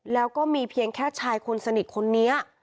แล้วก็มีเพียงแค่ชายคนสนิทคนนี้